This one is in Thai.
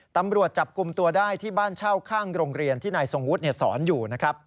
ตำรวจจับกลุ่มตัวได้ที่บ้านเช่าข้างโรงเรียนที่นายทรงวุฒิสอนอยู่นะครับ